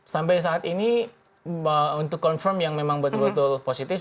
sampai saat ini untuk confirm yang memang betul betul positif